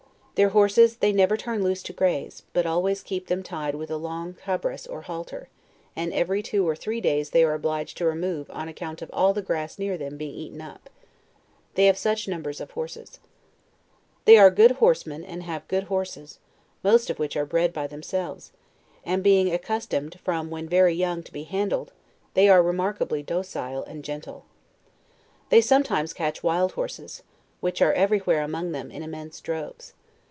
Their horses they never turn loose to graze, but always keep them tied with a long cabras or halter; and eve ry two or three days they are obliged to remove on account of all the grass near them being eaten up, they have such num bers of horses. They are good horsemen and have good hor ees, most of which are bred by themselves; and being aceus tomed from when very young to be handled, they are remar kably docile and gentle* They sometimes catch wild horses,, LEWIS AND CLARKE. 151 which are every where among them in immense droves.